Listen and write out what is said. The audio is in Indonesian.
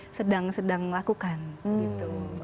jadi ini sedang sedang lakukan gitu